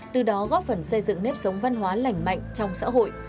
từ đó góp phần xây dựng nếp sống văn hóa lành mạnh trong xã hội